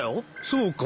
そうか。